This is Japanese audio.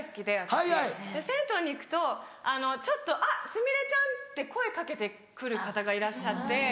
で銭湯に行くとちょっと「あっすみれちゃん」って声掛けて来る方がいらっしゃって。